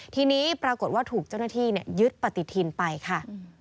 ทีนี้ปรากฏว่าถูกเจ้าหน้าที่ยึดปฏิทินไปค่ะ